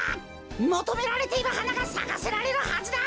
もとめられているはながさかせられるはずだ！